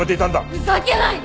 ふざけないで！